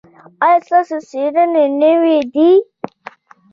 ایا ستاسو څیړنې نوې دي؟